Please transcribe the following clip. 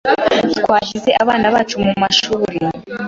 Twashyize abana bacu mu mashuri,